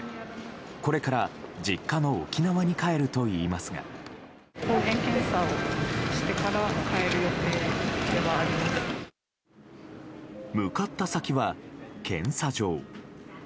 これから実家の沖縄に帰ると向かった先は、検査所。